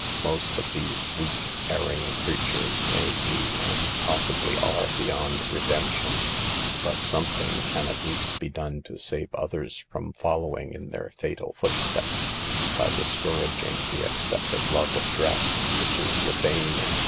Most of these weak, erring creatures may be and possi bly are beyond redemption, but something can, at least, be done to save others from following in their fatal footsteps, by discouraging the excessive love of dress which is the bane and CAUSES OF THE SOCIAL EVIL.